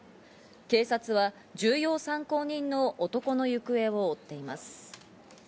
警察は重要参考人の男の行方を追っています。